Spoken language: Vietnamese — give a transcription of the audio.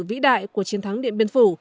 vĩ đại của chiến thắng điện biên phủ